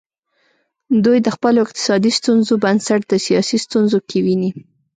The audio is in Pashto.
دوی د خپلو اقتصادي ستونزو بنسټ د سیاسي ستونزو کې ویني.